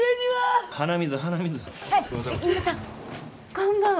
こんばんは。